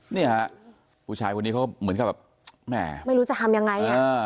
เนี่ยฮะผู้ชายคนนี้เขาเหมือนกับแบบแหมไม่รู้จะทำยังไง